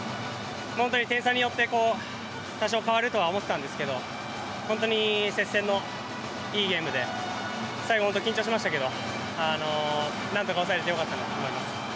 点差によって多少変わるとは思ってたんですけど本当に接戦のいいゲームで最後、緊張しましたけどなんとか抑えられてよかったと思います。